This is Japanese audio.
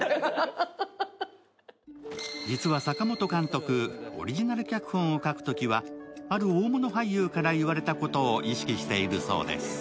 実は阪本監督、オリジナル脚本を書くときはある大物俳優から言われたことを意識しているそうです。